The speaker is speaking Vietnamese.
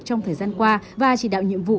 trong thời gian qua và chỉ đạo nhiệm vụ